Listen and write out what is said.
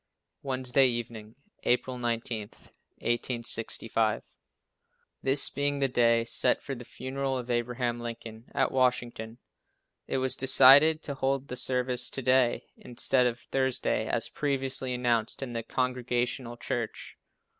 Wednesday evening, April 19, 1865. This being the day set for the funeral of Abraham Lincoln at Washington, it was decided to hold the service to day, instead of Thursday, as previously announced in the Congregational church.